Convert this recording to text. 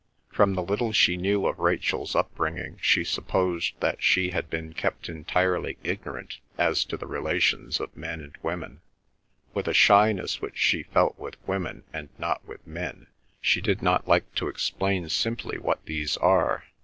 From the little she knew of Rachel's upbringing she supposed that she had been kept entirely ignorant as to the relations of men with women. With a shyness which she felt with women and not with men she did not like to explain simply what these are.